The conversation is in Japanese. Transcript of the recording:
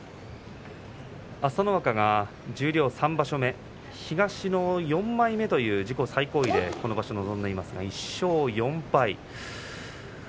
朝乃若が十両３場所目東の４枚目という自己最高位でこの場所臨んでいますが１勝４敗。